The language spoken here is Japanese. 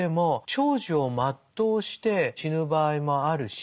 長寿を全うして死ぬ場合もあるし